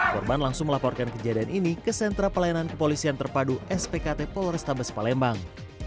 korban langsung melaporkan kejadian ini ke sentra pelayanan kepolisian terpadu spkt polrestabes palembang